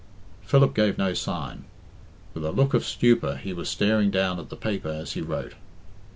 Philip gave no sign. With a look of stupor he was staring down at the paper as he wrote.